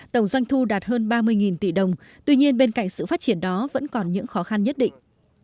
tổng doanh thu đạt hơn ba mươi tỷ đồng tuy nhiên bên cạnh sự phát triển đó vẫn còn những khó khăn nhất định